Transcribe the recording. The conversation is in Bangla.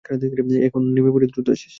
এখন নেমে পড়ি দ্রুত আসিস।